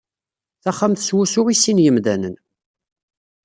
Taxxamt s wusu i sin yemdanen.